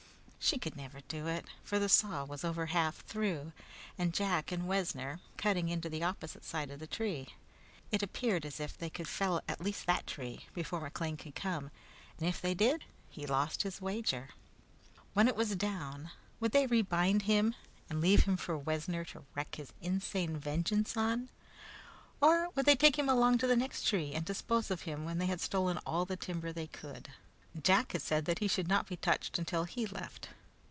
She could never do it, for the saw was over half through, and Jack and Wessner cutting into the opposite side of the tree. It appeared as if they could fell at least that tree, before McLean could come, and if they did he lost his wager. When it was down, would they rebind him and leave him for Wessner to wreak his insane vengeance on, or would they take him along to the next tree and dispose of him when they had stolen all the timber they could? Jack had said that he should not be touched until he left.